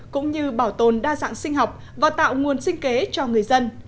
cũng như bảo tồn đa dạng sinh học và tạo nguồn sinh kế cho người dân